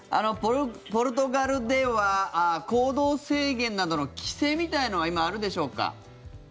ポルトガルでは行動制限などの規制みたいのは今、あるでしょうか？